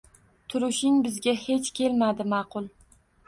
Turishing bizga hech kelmadi ma’qul